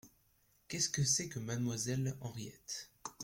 Qu’est-ce que c’est que mademoiselle Henriette ?